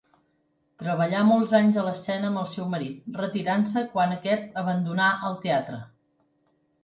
Treballà molts anys a l'escena amb el seu marit, retirant-se quan aquest abandonà el teatre.